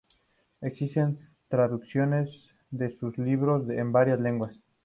Existen traducciones de sus libros en varias lenguas.